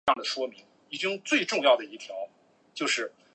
剑桥大学考试委员会